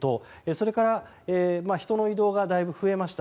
それから人の移動がだいぶ増えました。